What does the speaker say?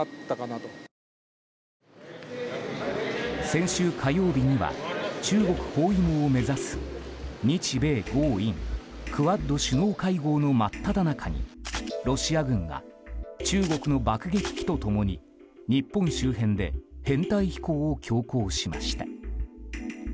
先週火曜日には中国包囲網を目指す日米豪印クアッド首脳会合の真っただ中にロシア軍が中国の爆撃機と共に日本周辺で編隊飛行を強行しました。